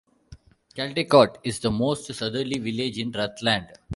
Caldecott is the most southerly village in Rutland.